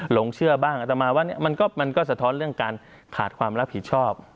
หลงเชื่อบ้างอาจารย์มาว่าเนี้ยมันก็มันก็สะท้อนเรื่องการขาดความรับผิดชอบ